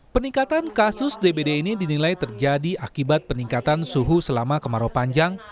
peningkatan kasus dbd ini dinilai terjadi akibat peningkatan suhu selama kemarau panjang